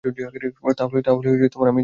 তা হলে আমি যাব।